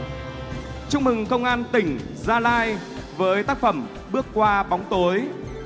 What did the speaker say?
xin được chúc mừng công an tỉnh gia lai với tác phẩm bước qua bóng tối